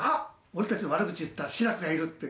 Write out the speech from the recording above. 俺たちの悪口言った志らくがいるって。